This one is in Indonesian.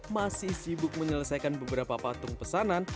masih sibuk menyelesaikan beberapa patung pesanan